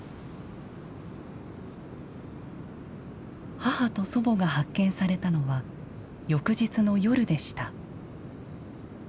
母と祖母が発見されたのは翌日の夜でした。